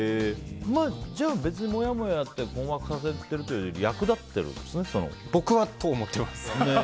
じゃあ、別にモヤモヤと困惑させてるというより僕は、そう思ってます。